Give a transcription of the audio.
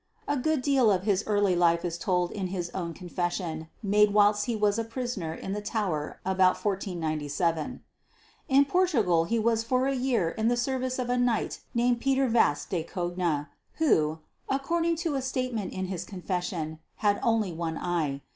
A good deal of his early life is told in his own confession made whilst he was a prisoner in the Tower about 1497. In Portugal he was for a year in the service of a Knight named Peter Vacz de Cogna, who, according to a statement in his confession, had only one eye.